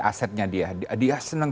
asetnya dia dia senang